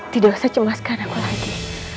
tidak usah cemaskan aku lagi